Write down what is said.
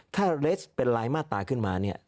ถ้าเลสเป็นรายมาตราขึ้นมา